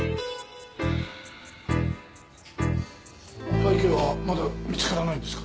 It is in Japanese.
赤池はまだ見つからないんですか？